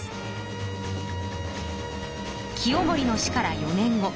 清盛の死から４年後。